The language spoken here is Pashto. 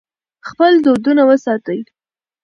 خپل دودونه وساتئ.